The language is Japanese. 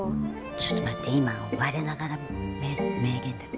ちょっと待って今我ながら名名言だった。